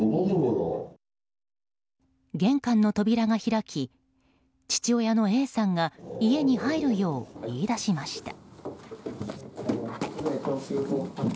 玄関の扉が開き父親のＡさんが家に入るよう言い出しました。